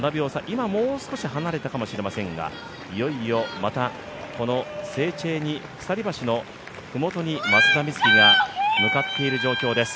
今もう少し離れたかもしれませんがいよいよまたこのセーチェーニ鎖橋のふもとに松田瑞生が向かっている状況です。